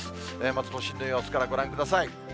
まず都心の様子からご覧ください。